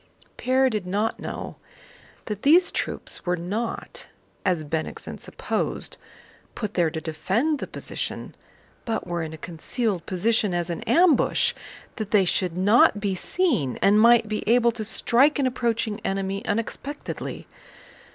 Pierre did not know that these troops were not, as Bennigsen supposed, put there to defend the position, but were in a concealed position as an ambush, that they should not be seen and might be able to strike an approaching enemy unexpectedly.